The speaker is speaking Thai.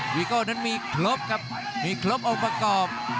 ีโก้นั้นมีครบครับมีครบองค์ประกอบ